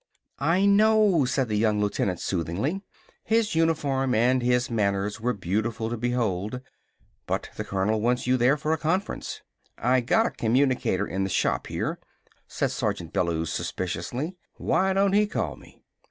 "I know," said the young lieutenant soothingly. His uniform and his manners were beautiful to behold. "But the Colonel wants you there for a conference." "I got a communicator in the shop here," said Sergeant Bellews suspiciously. "Why don't he call me?"